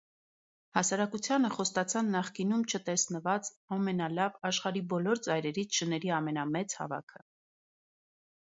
Հասարակությանը խոստացան նախկինում չտեսնված, ամենալավ, աշխարհի բոլոր ծայրերից շների ամենամեծ հավաքը։